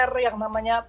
udah prepare yang namanya